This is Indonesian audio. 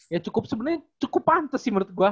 ya cukup sebenarnya cukup pantas sih menurut gue